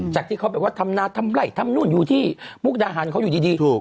จากที่เขาแบบว่าทำนาทำไหล่ทำนู่นอยู่ที่มุกดาหารเขาอยู่ดีถูก